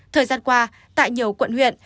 thời gian qua tại nhiều quận huyện